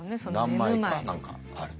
何枚か何かあると。